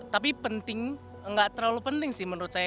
tapi penting nggak terlalu penting sih menurut saya